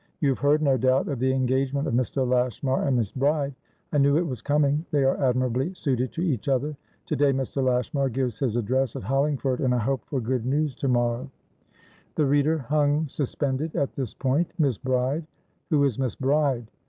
You have heard, no doubt, of the engagement of Mr. Lashmar and Miss Bride. I knew it was coming. They are admirably suited to each other. To day Mr. Lashmar gives his address at Hollingford, and I hope for good news tomorrow" The reader hung suspended at this point. Miss Bride? Who was Miss Bride?